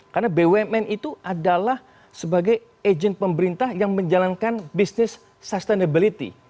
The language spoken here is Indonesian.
karena bumn itu adalah sebagai agent pemerintah yang menjalankan bisnis sustainability